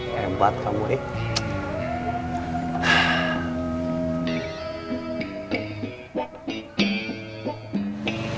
hebat kamu eh